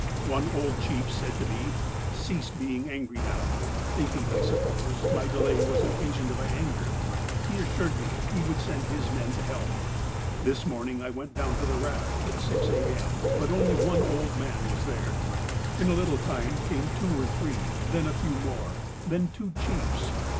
One old chief said to me :' Cease being angry now,' thinking, I suppose, my delay was occasioned by anger. He assured me he would send his men to help. This morning I went to the raft at 6 a. m. But only one old man was there. In a little time came two or three. Then a few more. Then two chiefs.